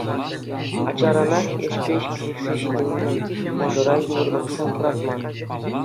Ачаранах ӗҫпе пиҫӗхсе ҫитӗннӗ мӑшӑра йывӑрлӑхсем хӑратман.